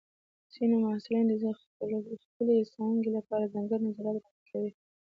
ځینې محصلین د خپلې څانګې لپاره ځانګړي نظریات وړاندې کوي.